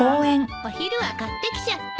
お昼は買ってきちゃった。